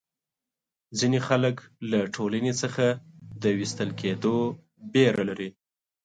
ځینې خلک له ټولنې څخه د وېستل کېدو وېره لري.